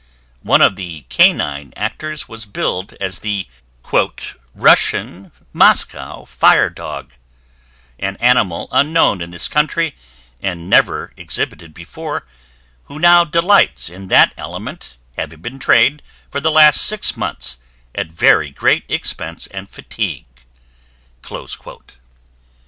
One of the canine actors was billed as the "Russian Moscow Fire Dog, an animal unknown in this country, (and never exhibited before) who now delights in that element, having been trained for the last six months at very great expense and fatigue."